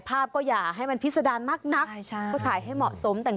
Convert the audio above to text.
ภาพก็อย่าให้มันพิษดารมากนักก็ถ่ายให้เหมาะสมแต่ง